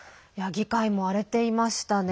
議会も荒れていましたね。